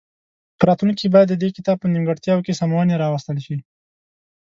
په راتلونکي کې باید د دې کتاب په نیمګړتیاوو کې سمونې راوستل شي.